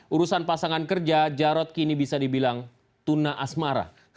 urusan pasangan kerja jarod kini bisa dibilang tuna asmara